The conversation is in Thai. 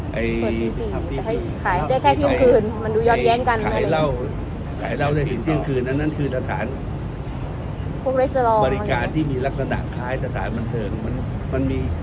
เคยแสุนิรให้ขายเหล้าในถึงเที่ยงคืนนั่นคือตะคันบริการที่มีที่มีรักษณะคล้ายสถานบันเชิง